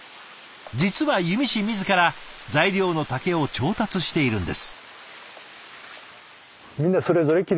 実は弓師自ら材料の竹を調達しているんです。